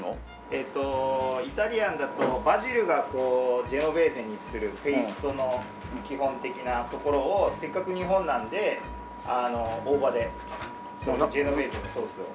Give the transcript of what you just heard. えーとイタリアンだとバジルがジェノベーゼにするペーストの基本的なところをせっかく日本なので大葉でそういうジェノベーゼのソースを。